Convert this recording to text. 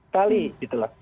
kali gitu lah